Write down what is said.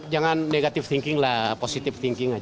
jangan negatif thinking lah positive thinking aja